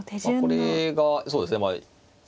これがそうですね